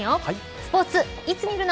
スポーツいつ見るの。